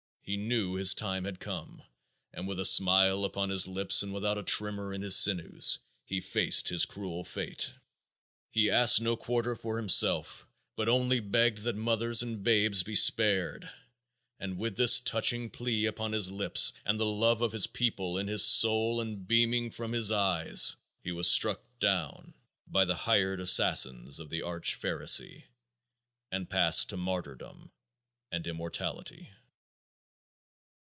He knew his time had come and with a smile upon his lips and without a tremor in his sinews, he faced his cruel fate. He asked no quarter for himself, but only begged that mothers and babes be spared; and with this touching plea upon his lips and the love of his people in his soul and beaming from his eyes, he was struck down by the hired assassins of the Arch Pharisee and passed to martyrdom and immortality.